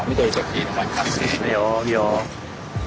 いいよ。